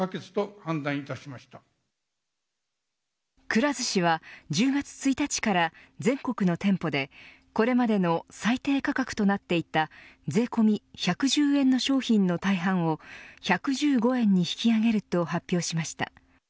くら寿司は１０月１日から全国の店舗でこれまでの最低価格となっていた税込み１１０円の商品の大半を１１５円に引き上げると発表しました。